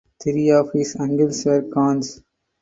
Three of his uncles were khans.